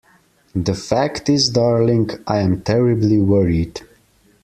The fact is, darling, I am terribly worried.